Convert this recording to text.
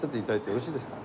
よろしいですか？